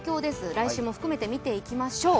来週も含めて見ていきましょう。